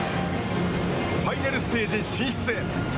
ファイナルステージ進出へ。